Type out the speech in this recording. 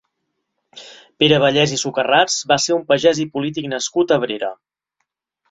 Pere Vallès i Sucarrats va ser un pagès i polític nascut a Abrera.